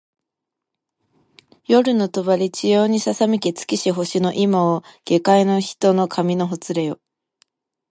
夜の帳ちやうにささめき尽きし星の今を下界げかいの人の髪のほつれよ